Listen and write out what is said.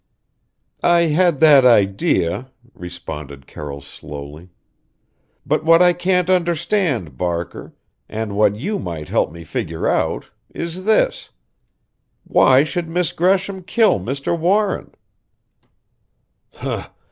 "I had that idea," responded Carroll slowly. "But what I can't understand, Barker, and what you might help me figure out, is this why should Miss Gresham kill Mr. Warren?"